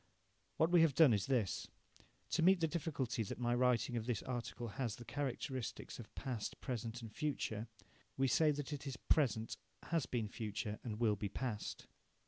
What we have done is this to meet the difficulty that my writing of this article has the characteristics of past, present and future, we say that it is present, has been future, and will be past.